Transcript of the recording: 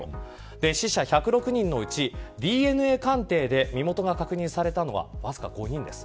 死者１０６人のうちＤＮＡ鑑定で身元が確認されたのはわずか５人です。